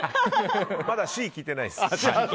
まだＣ聞いてないです。